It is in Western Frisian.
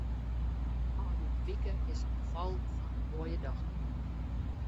Ofrûne wike is se befallen fan in moaie dochter.